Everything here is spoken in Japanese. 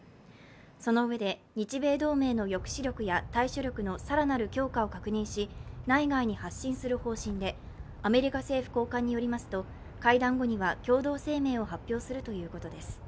そのうえで、日米同盟の抑止力や対処力の更なる強化を確認し、内外に発信する方針でアメリカ政府高官によりますと会談後には共同声明を発表するということです。